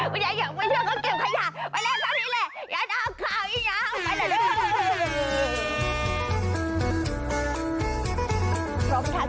ว่าอยากก็กลับ